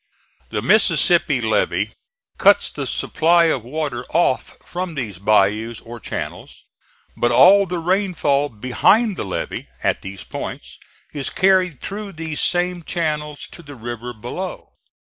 The Mississippi levee cuts the supply of water off from these bayous or channels, but all the rainfall behind the levee, at these points, is carried through these same channels to the river below.